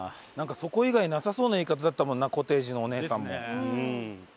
そこ以外なさそうな言い方だったもんなコテージのお姉さんも。